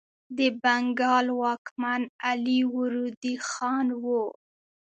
د بنګال واکمن علي وردي خان و.